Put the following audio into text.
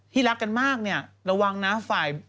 ที่รักกันมากเนี่ยระวังนะ